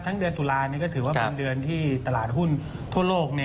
เดือนตุลานี่ก็ถือว่าเป็นเดือนที่ตลาดหุ้นทั่วโลก